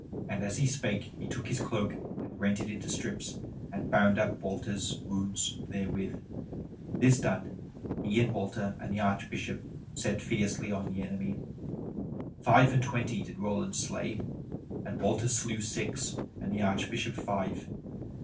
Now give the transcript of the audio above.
And as he spake he took his cloak and rent it into strips and bound up Walter's wounds therewith. This done he and Walter and the Archbishop set fiercely on the enemy. Five and twenty did Roland slay, and Walter slew six, and the Archbishop five.